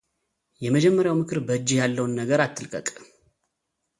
የመጀመሪያው ምክር በእጅህ ያለውን ነገር አትልቀቅ፡፡